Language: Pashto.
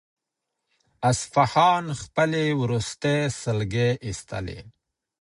اصفهان خپلې وروستۍ سلګۍ ایستلې.